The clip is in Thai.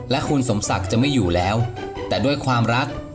และคุณสมศักดิ์จะไม่อยู่แล้วแต่ด้วยความรัก